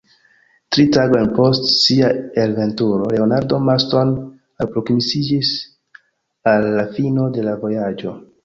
Tri tagojn post sia elveturo Leonardo Marston alproksimiĝis al la fino de la vojaĝo.